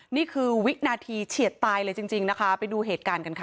นี่คือวินาทีเฉียดตายเลยจริงนะคะไปดูเหตุการณ์กันค่ะ